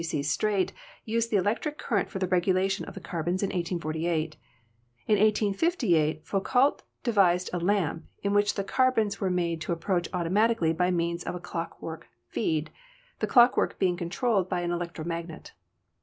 W. C. Staite used the electric cur rent for the regulation of the carbons in 1848. In 1858 Foucault devised a lamp in which the carbons were made to approach automatically by means of a clockwork feed, the clockwork being controlled by an electromagnet.